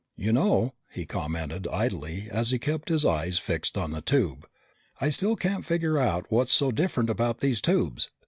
"You know," he commented idly as he kept his eyes fixed on the tube, "I still can't figure out what's so different about these tubes.